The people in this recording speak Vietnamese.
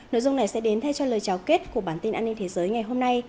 nội dung này sẽ đến thay cho lời trao kết của bản tin an ninh thế giới ngày hôm nay